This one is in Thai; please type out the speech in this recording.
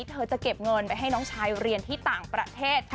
เธอจะเก็บเงินไปให้น้องชายเรียนที่ต่างประเทศ